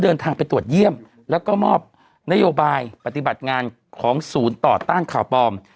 เดินทางไปตรวจเยี่ยมแล้วก็มอบนโยบายปฏิบัติงานของศูนย์ต่อต้านข่าวปลอม